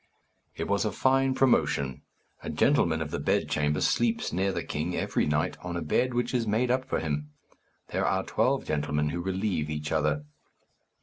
It was a fine promotion. A gentleman of the bedchamber sleeps near the king every night, on a bed which is made up for him. There are twelve gentlemen who relieve each other.